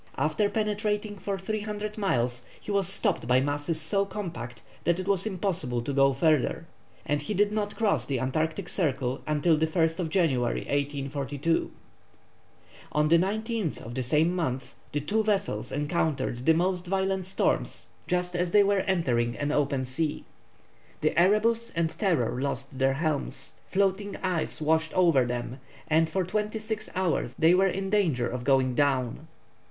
After penetrating for 300 miles he was stopped by masses so compact that it was impossible to go further, and he did not cross the Antarctic Circle until the 1st January, 1842. On the 19th of the same month the two vessels encountered the most violent storm just as they were entering an open sea; the Erebus and Terror lost their helms, floating ice washed over them, and for twenty six hours they were in danger of going down.